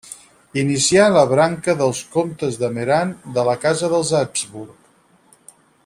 Inicià la branca dels comtes de Meran de la Casa dels Habsburg.